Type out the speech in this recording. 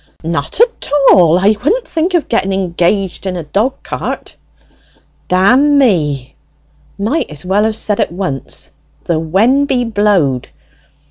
"Not at all; I wouldn't think of getting engaged in a dog cart." "Dammy might as well have said at once, the when be blowed!